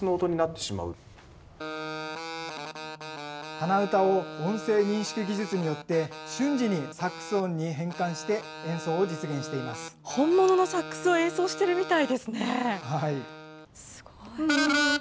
鼻歌を音声認識技術によって、瞬時にサックス音に変換して演奏本物のサックスを演奏してるはい。